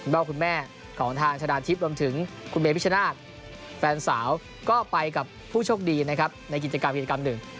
ก็คุณแม่ของทางชนะทิพย์รวมถึงคุณเมพิชนาธิ์แฟนสาวก็ไปกับผู้โชคดีนะครับในกิจกรรมกิจกรรมหนึ่ง